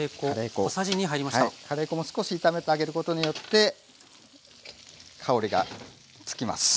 カレー粉も少し炒めてあげることによって香りがつきます。